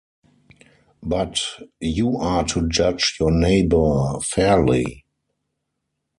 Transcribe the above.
But you are to judge your neighbour fairly!